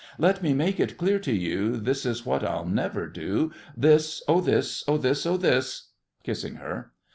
Let me make it clear to you, This is what I'll never do! This, oh, this, oh, this, oh, this,—(Kissing her.)